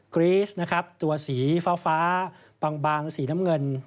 กรี๊สนะครับตัวสีฟ้าบางสีน้ำเงิน